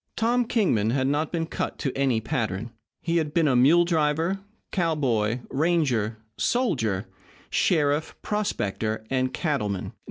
Tom Kingman had not been cut to any pattern. He had been mule driver, cowboy, ranger, soldier, sheriff, prospector, and cattleman.